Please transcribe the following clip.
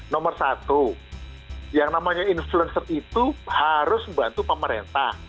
nomor satu yang namanya influencer itu harus membantu pemerintah